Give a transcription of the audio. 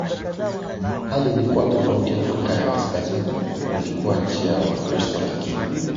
hali ilikuwa tofauti Afrika Kaskazini ilikuwa nchi ya Wakristo lakini